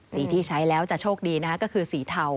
สีที่ใช้แล้วจะโชคดีนะฮะก็คือสีเทา